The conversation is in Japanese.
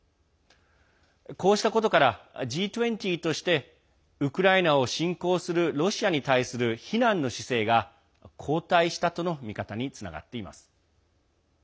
こうしたことから、Ｇ２０としてウクライナを侵攻するロシアに対する非難の姿勢が後退したとの見方につながっています。